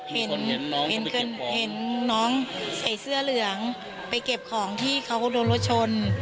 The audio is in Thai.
เห็นน้องใส่เสื้อเหลืองไปเก็บของที่เขาโดนรถชน